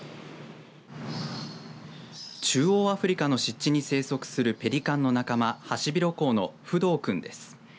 中央アフリカの湿地に生息するペリカンの仲間ハシビロコウのフドウくんです。